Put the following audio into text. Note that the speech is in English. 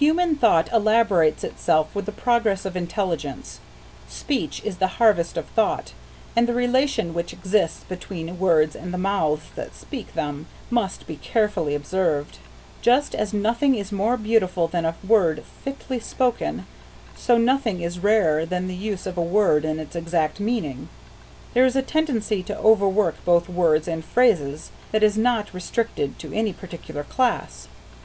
Human thought elaborates itself with the progress of intelligence. Speech is the harvest of thought, and the relation which exists between words and the mouths that speak them must be carefully observed. Just as nothing is more beautiful than a word fitly spoken, so nothing is rarer than the use of a word in its exact meaning. There is a tendency to overwork both words and phrases that is not restricted to any particular class.